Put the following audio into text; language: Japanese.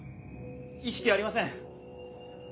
意識ありません。